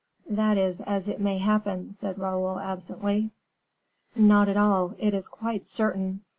"That is as it may happen," said Raoul, absently. "Not at all, it is quite certain.